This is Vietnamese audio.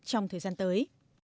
trong thời gian tới